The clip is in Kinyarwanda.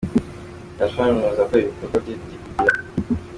Khalfan yemeza ko ibikorwa bye byivugira.